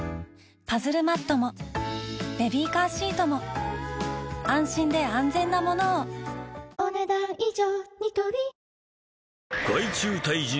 パズルマットもベビーカーシートも安心で安全なものをお、ねだん以上。